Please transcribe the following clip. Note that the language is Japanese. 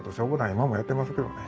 今もやってますけどね。